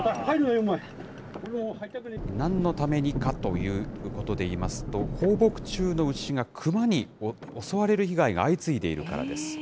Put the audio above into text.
なんのためにかということでいいますと、放牧中の牛が熊に襲われる被害が相次いでいるからです。